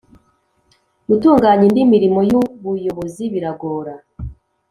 gutunganya indi mirimo y Ubuyobozi biragora